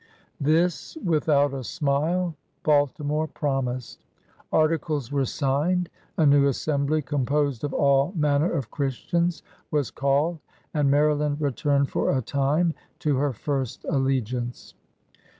This with out a smile Baltimore promised. Articles were signed; a new Assembly composed of all manner of Christians was called; and Maryland returned for a time to her first allegiance.